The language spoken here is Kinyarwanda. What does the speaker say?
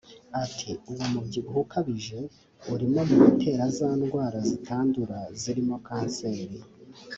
Ati “Uwo mubyibuho ukabije uri mu bitera za ndwara zitandura zirimo kanseri